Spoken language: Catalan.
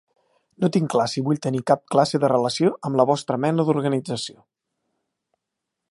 No tinc clar si vull tenir cap classe de relació amb la vostra mena d'organització.